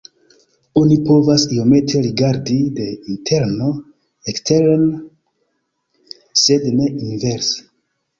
Oni povas iomete rigardi de interno eksteren sed ne inverse.